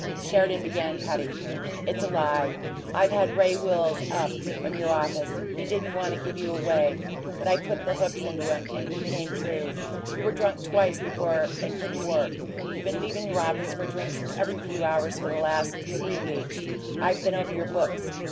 Sheridan began cutting. "It's a lie. I've had Ray Wills up from your office. He didn't want to give you away, but I put the hooks into him, and he came through. You were drunk twice before and couldn't work. You been leavin' your office for drinks every few hours for the last three weeks. I been over your books.